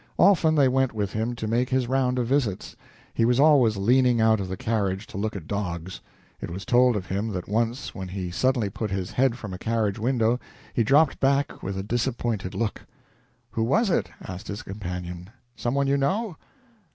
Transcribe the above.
Often they went with him to make his round of visits. He was always leaning out of the carriage to look at dogs. It was told of him that once when he suddenly put his head from a carriage window he dropped back with a disappointed look. "Who was it?" asked his companion. "Some one you know?"